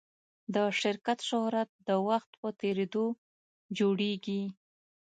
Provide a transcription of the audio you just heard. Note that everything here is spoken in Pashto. د شرکت شهرت د وخت په تېرېدو جوړېږي.